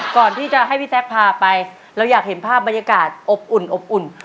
ก่อนที่จะให้พี่แจ๊คพาไปเราอยากเห็นภาพบรรยากาศอบอุ่นอบอุ่น